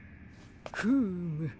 フーム。